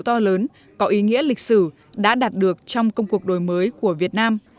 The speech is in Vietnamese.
to lớn có ý nghĩa lịch sử đã đạt được trong công cuộc đổi mới của việt nam